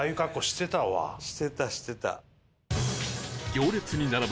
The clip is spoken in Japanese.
してたしてた。